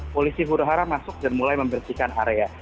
polisi huru hara masuk dan mulai membersihkan area